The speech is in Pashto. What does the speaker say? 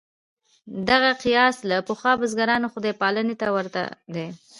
دغه قیاس له پخوا بزګرانو خدای پالنې ته ورته دی.